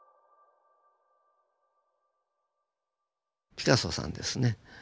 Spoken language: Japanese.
ピカソさんですね。